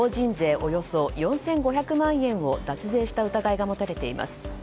およそ４５００万円を脱税した疑いが持たれています。